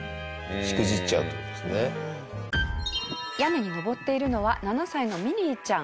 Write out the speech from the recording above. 屋根に登っているのは７歳のミリーちゃん。